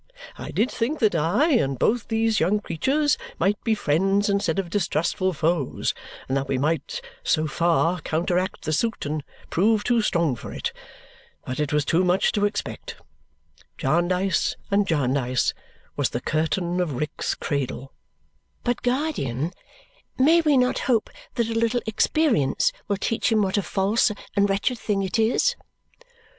I did think that I and both these young creatures might be friends instead of distrustful foes and that we might so far counter act the suit and prove too strong for it. But it was too much to expect. Jarndyce and Jarndyce was the curtain of Rick's cradle." "But, guardian, may we not hope that a little experience will teach him what a false and wretched thing it is?"